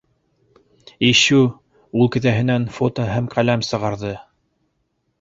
Ишшү... - ул кеҫәһенән фото һәм ҡәләм сығарҙы.